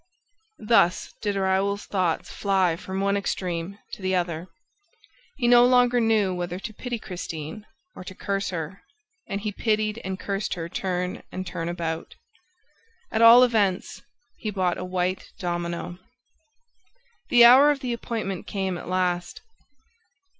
... Thus did Raoul's thoughts fly from one extreme to the other. He no longer knew whether to pity Christine or to curse her; and he pitied and cursed her turn and turn about. At all events, he bought a white domino. The hour of the appointment came at last.